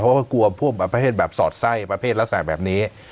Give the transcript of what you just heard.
เพราะว่ากลัวพวกประเภทแบบสอดไส้ประเภทลักษณะแบบนี้